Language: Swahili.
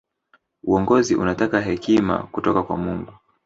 uongozi unataka hekima kutoka kwa mungu